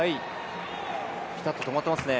ピタッと止まっています。